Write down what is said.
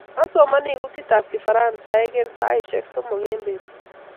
Asomani kutitab kifaransaik eng saishek somok eng betut